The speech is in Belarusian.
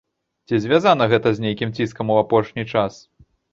Ці звязана гэта з нейкім ціскам у апошні час?